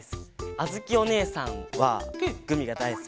あづきおねえさんはグミがだいすきで。